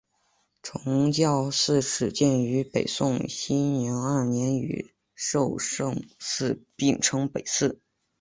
崇教寺始建于北宋熙宁二年与寿圣寺并称北寺。